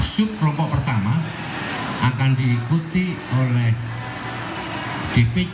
sub kelompok pertama akan diikuti oleh dpk